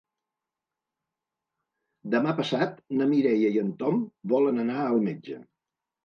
Demà passat na Mireia i en Tom volen anar al metge.